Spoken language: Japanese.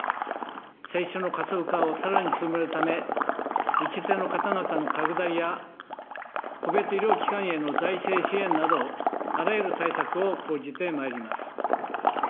接種の加速化をさらに進めるため、打ち手の方々の拡大や、個別医療機関への財政支援など、あらゆる対策を講じてまいります。